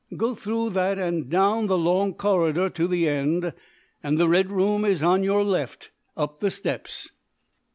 Go through that and down the long corridor to the end, and the red room is on your left up the steps."